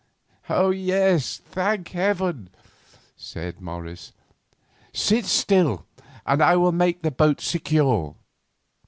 "Yes, thank Heaven!" said Morris. "Sit still, and I will make the boat secure.